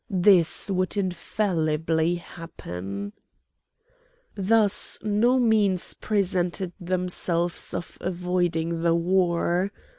This would infallibly happen. Thus no means presented themselves of avoiding the war.